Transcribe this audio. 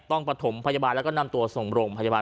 ประถมพยาบาลแล้วก็นำตัวส่งโรงพยาบาล